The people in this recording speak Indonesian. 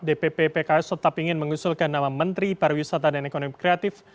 dpp pks tetap ingin mengusulkan nama menteri pariwisata dan ekonomi kreatif